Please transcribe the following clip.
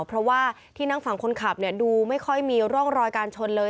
เพราะว่าที่นั่งฝั่งคนขับดูไม่ค่อยมีร่องรอยการชนเลย